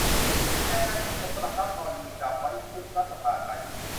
แรงงานชุมนุม ประทับรอยมือดำไว้ทุกข์รัฐสภาไทย